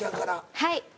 はい。